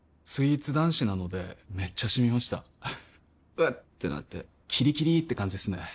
スイーツ男子なのでめっちゃシミました「うっ」ってなってキリキリって感じですね